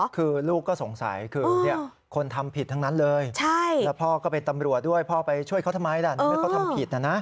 คือลูกก็สงสัยคือคนทำผิดทั้งนั้นเลยแล้วพ่อก็เป็นตำรวจด้วยพ่อไปช่วยเขาทำไมล่ะ